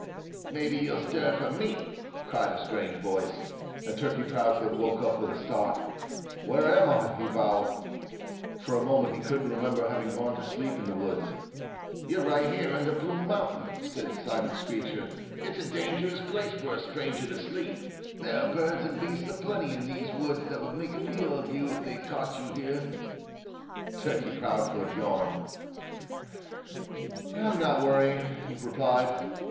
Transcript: "Maybe you'll stir for me," cried a strange voice. And Turkey Proudfoot woke up with a start. "Where am I?" he bawled. For a moment he couldn't remember having gone to sleep in the woods. "You're right up under Blue Mountain," said Simon Screecher. "It's a dangerous place for a stranger to sleep. There are birds and beasts a plenty in these woods that would make a meal of you if they caught you here." Turkey Proudfoot yawned. "I'm not worrying," he replied.